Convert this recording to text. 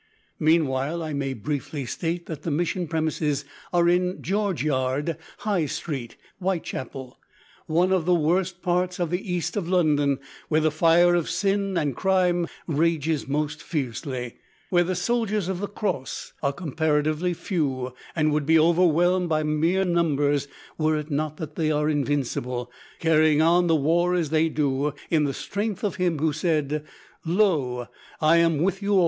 Meanwhile I may briefly state that the mission premises are in George Yard, High Street, Whitechapel, one of the worst parts of the east of London, where the fire of sin and crime rages most fiercely; where the soldiers of the Cross are comparatively few, and would be overwhelmed by mere numbers, were it not that they are invincible, carrying on the war as they do in the strength of Him who said, `Lo, I am with you alway.'